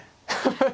ハハハ。